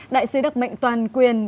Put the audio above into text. đại sứ đặc mệnh toàn quyền